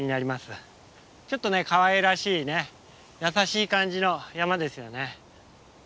ちょっとかわいらしい優しい感じの山ですよね。